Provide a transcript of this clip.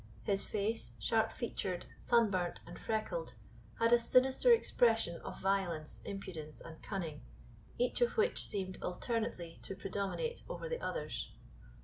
His face, sharp featured, sun burnt, and freckled, had a sinister expression of violence, impudence, and cunning, each of which seemed alternately to predominate over the others.